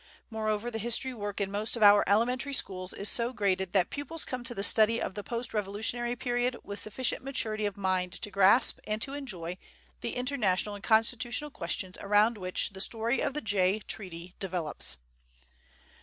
Moreover, the history work in most of our elementary schools is so graded that pupils come to the study of the post Revolutionary period with sufficient maturity of mind to grasp and to enjoy the international and constitutional questions around which the story of the Jay Treaty develops.